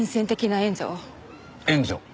援助？